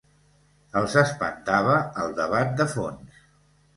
Els espantava el debat de fons.